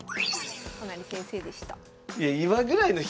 都成先生でした。